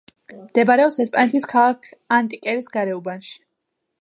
მდებარეობს ესპანეთის ქალაქ ანტეკერის გარეუბანში.